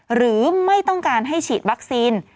ไม่ต้องการให้ฉีดวัคซีน